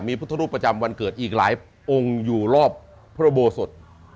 มีพุทธรูปประจำวันเกิดอีกหลายองค์อยู่รอบพระโบสถ